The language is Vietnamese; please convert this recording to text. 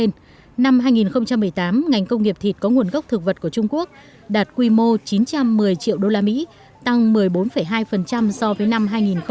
năm hai nghìn một mươi tám ngành công nghiệp thịt có nguồn gốc thực vật của trung quốc đạt quy mô chín trăm một mươi triệu usd tăng một mươi bốn hai so với năm hai nghìn một mươi bảy